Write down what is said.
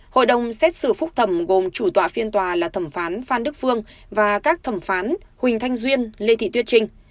hội đồng xét xử phúc thẩm gồm chủ tọa phiên tòa là thẩm phán phan đức phương và các thẩm phán huỳnh thanh duyên lê thị tuyết trinh